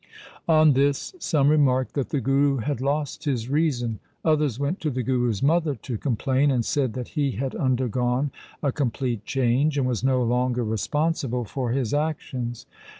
On this some remarked that the Guru had lost his reason, others went to the Guru's mother to com plain, and said that he had undergone a complete change, and was no longer responsible for his actions.